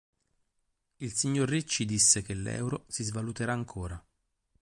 Il signor Ricci disse che l'euro si svaluterà ancora.